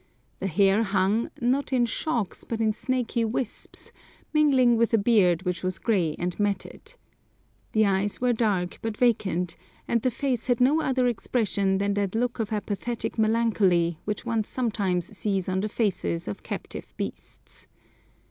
The hair hung, not in shocks, but in snaky wisps, mingling with a beard which was grey and matted. The eyes were dark but vacant, and the face had no other expression than that look of apathetic melancholy which one sometimes sees on the faces of captive beasts.